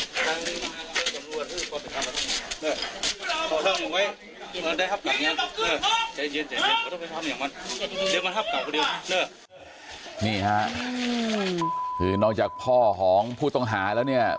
แค้นเหล็กเอาไว้บอกว่ากะจะฟาดลูกชายให้ตายเลยนะ